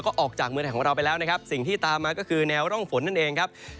ก็ออกจากเมืองไทยของเราไปแล้วนะครับสิ่งที่ตามมาก็คือแนวร่องฝนนั่นเองครับ